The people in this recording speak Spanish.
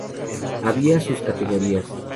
Había sus categorías.